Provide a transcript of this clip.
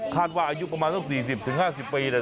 คาดว่าอายุประมาณสองสี่สิบถึงห้าสิบปีนะ